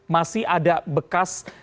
masih ada bekas